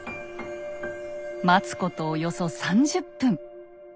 待つことおよそ３０分。